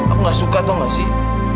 aku gak suka tau gak sih